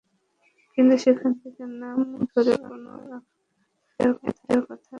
কিন্তু সেখান থেকে নাম ধরে কোনো একটার কথা বলা যাবে না।